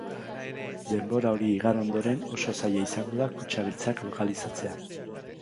Denbora hori igaro ondoren, oso zaila izango da kutxa beltzak lokalizatzea.